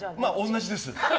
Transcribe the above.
同じです。